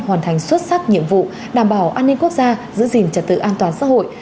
hoàn thành xuất sắc nhiệm vụ đảm bảo an ninh quốc gia giữ gìn trật tự an toàn xã hội